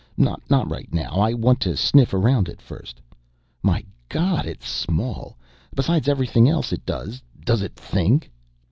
"Not right now. I want to sniff around it first. My God, it's small! Besides everything else it does, does it think?"